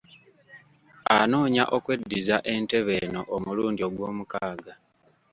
Anoonya okweddiza entebe eno omulundi ogw'omukaaga.